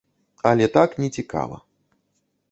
Але так не цікава.